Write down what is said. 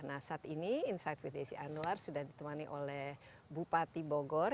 nah saat ini insight with desi anwar sudah ditemani oleh bupati bogor